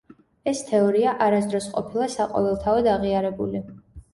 ეს თეორია არასდროს ყოფილა საყოველთაოდ აღიარებული.